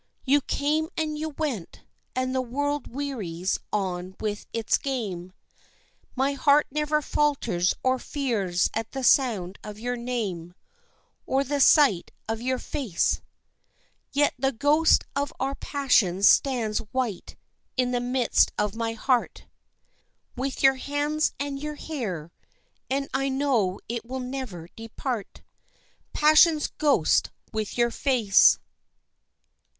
You came and you went, and the world wearies on with its game. My heart never falters or fears at the sound of your name Or the sight of your face; Yet the ghost of our passion stands white in the midst of my heart, With your hands and your hair, and I know it will never depart Passion's ghost with your face!